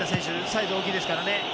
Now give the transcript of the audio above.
サイド大きいですからね。